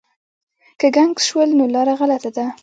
که ګنګس شول نو لاره غلطه ده.